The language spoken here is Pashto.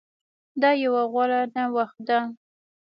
دا يو غوره نوښت ده